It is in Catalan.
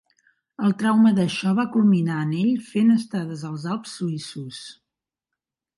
El trauma d'això va culminar en ell fent estades als Alps suïssos.